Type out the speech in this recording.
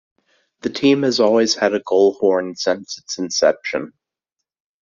The team has always had a goal horn since its inception.